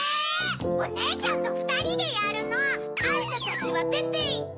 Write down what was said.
おねえちゃんとふたりでやるの！あんたたちはでていって！